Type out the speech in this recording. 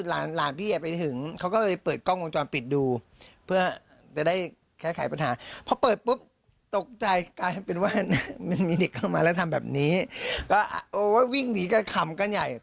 ในคอมที่เขาไปเปิดเขาไปเปิดดูอะไรหรือเปล่า